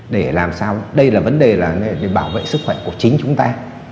đây là vấn đề để bảo vệ sức khỏe của chính chúng ta